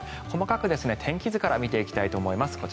細かく天気図から見ていきたいと思います。